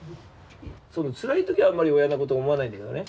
つらい時はあんまり親の事を思わないんだけどね。